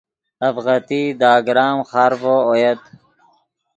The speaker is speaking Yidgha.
اڤغتئی دے اگرام خارڤو اویت